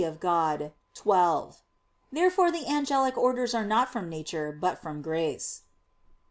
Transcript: Dei xii). Therefore the angelic orders are not from nature, but from grace.